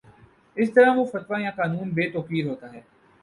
اس طرح وہ فتویٰ یا قانون بے توقیر ہوتا ہے